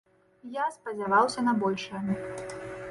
Я спадзяваўся на большае.